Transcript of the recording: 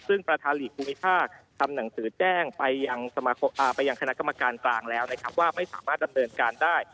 ซึ่งประธานหลีกภูมิภาคทำหนังสือแจ้งไปยังคณะกรรมการกลางแล้วนะครับว่าไม่สามารถดำเนินการได้